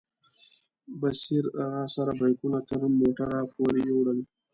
بصیر راسره بیکونه تر موټره پورې یوړل.